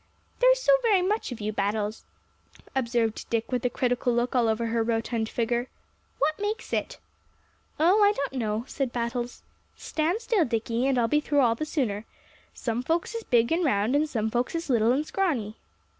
"There's so very much of you, Battles," observed Dick with a critical look all over her rotund figure. "What makes it?" "Oh, I don't know," said Battles. "Stand still, Dicky, and I'll be through all the sooner. Some folks is big and round, and some folks is little and scrawny."